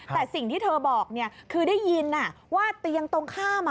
แต่สิ่งที่เธอบอกคือได้ยินว่าเตียงตรงข้าม